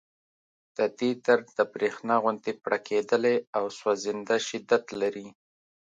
د دې درد د برېښنا غوندې پړقېدلی او سوځنده شدت لري